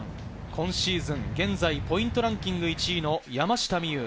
今シーズン、現在ポイントランキング１位の山下美夢有。